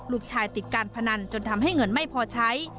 ติดการพนันจนทำให้เงินไม่พอใช้